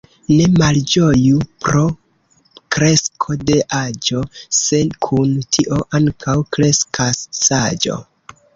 Ne malĝoju pro kresko de aĝo, se kun tio ankaŭ kreskas saĝo.